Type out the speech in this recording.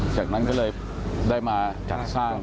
จากนั้นก็เลยได้มาจัดสร้าง